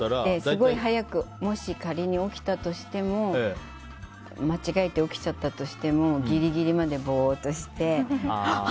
すごい早くもし仮に起きたとしても間違えて起きちゃったとしてもギリギリまでボーっとしてあ！